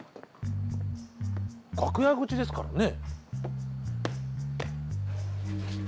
楽屋口ですからね。